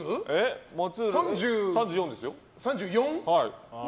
３４ですよ。